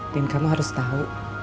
dan kamu harus tau